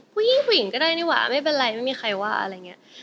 ผู้หญิงก็ได้นี่หว่าไม่เป็นไรไม่มีใครว่าอะไรเงี้ย